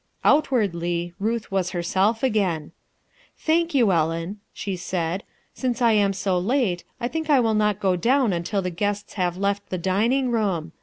Outwardly, Ruth was herself again. "Thank you, Ellen," she said. "Since I am so late, I think I will not go down until the guests have left the dining room.